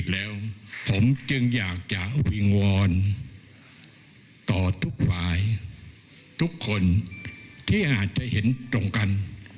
และยังมีเพื่องที่เห็นตรงกัน